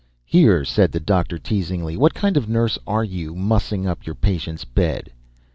"Here," said the doctor, teasingly, "what kind of nurse are you, mussing up your patient's bed?"